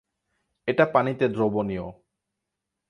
এটা পানিতে দ্রবণীয়।